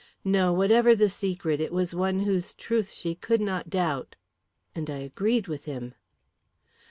No; whatever the secret, it was one whose truth she could not doubt." And I agreed with him.